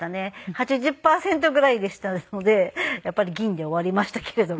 ８０パーセントぐらいでしたのでやっぱり銀で終わりましたけれども。